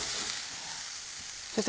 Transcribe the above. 先生